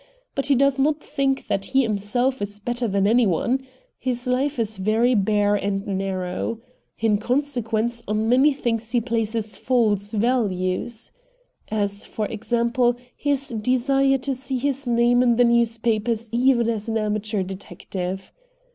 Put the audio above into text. But he does not think that he himself is better than any one. His life is very bare and narrow. In consequence, on many things he places false values. As, for example, his desire to see his name in the newspapers even as an amateur detective.